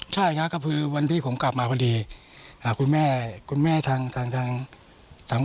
ใช่ครับก็คือวันที่ผมกลับมาพอดีอ่าคุณแม่คุณแม่ทางทางสังคม